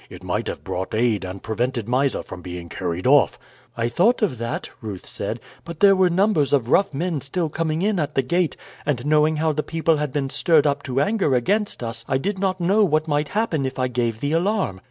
It might have brought aid and prevented Mysa from being carried off." "I thought of that," Ruth said, "but there were numbers of rough men still coming in at the gate; and knowing how the people had been stirred up to anger against us, I did not know what might happen if I gave the alarm.